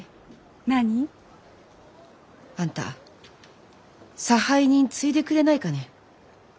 何？あんた差配人継いでくれないかね？